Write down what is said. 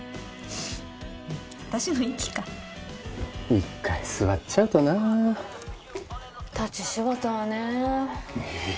私の息か一回座っちゃうとな立ち仕事はねえ？